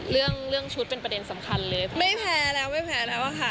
เรื่องเรื่องชุดเป็นประเด็นสำคัญเลยไม่แพ้แล้วไม่แพ้แล้วอะค่ะ